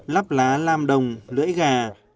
lắp lá lam đồng lưỡi gà